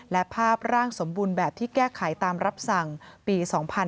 และภาพร่างสมบูรณ์แบบที่แก้ไขตามรับสั่งปี๒๕๕๙